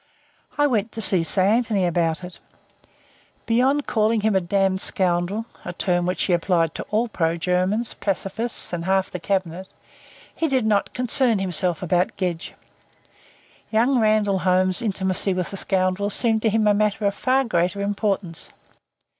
I went to see Sir Anthony about it. Beyond calling him a damned scoundrel, a term which he applied to all pro Germans, pacifists and half the Cabinet, he did not concern himself about Gedge. Young Randall Holmes's intimacy with the scoundrel seemed to him a matter of far greater importance.